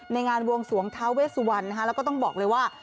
งานวงสวงท้าเวสวันนะคะแล้วก็ต้องบอกเลยว่า